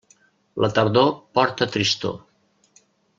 La tardor porta tristor.